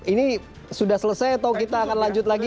ini sudah selesai atau kita akan lanjut lagi